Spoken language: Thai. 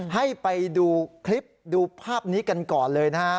ให้ไปดูคลิปดูภาพนี้กันก่อนเลยนะฮะ